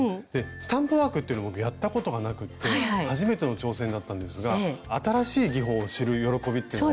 スタンプワークっていうの僕やったことがなくて初めての挑戦だったんですが新しい技法を知る喜びっていうのを。